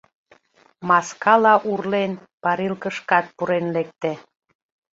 Маскала урлен, парилкышкат пурен лекте.